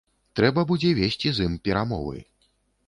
Трэба будзе весці з ім перамовы.